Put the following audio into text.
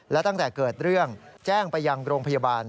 และตั้งแต่เกิดเรื่องแจ้งไปยังโรงพยาบาล